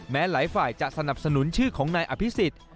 หลายฝ่ายจะสนับสนุนชื่อของนายอภิษฎ